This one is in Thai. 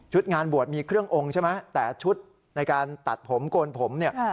งานบวชมีเครื่ององค์ใช่ไหมแต่ชุดในการตัดผมโกนผมเนี่ย